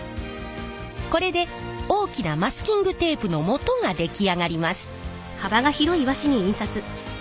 これで大きなマスキングテープのもとが出来上がります。